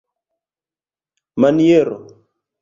maniero